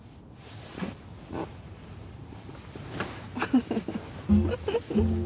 フフフフ。